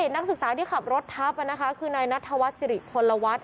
นักศึกษาที่ขับรถทัพอะนะคะคือในนัทธวัฒน์ศิริพลวัฒน์